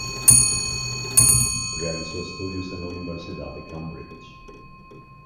Realizó estudios en la Universidad de Cambridge.